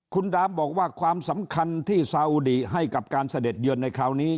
คุณดามบอกว่าความสำคัญที่ซาอุดิให้กับการเสด็จเยือนในคราวนี้